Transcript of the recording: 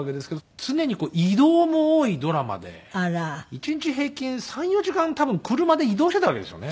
１日平均３４時間多分車で移動していたわけですよね。